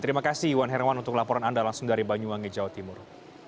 terima kasih iwan herwan untuk laporan anda langsung dari banyuwangi jawa timur